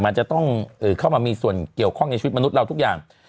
มันจะต้องเข้ามามีส่วนเกี่ยวข้องในชีวิตมนุษย์เราทุกอย่าง